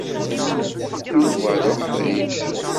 Yuba d uḥṛic.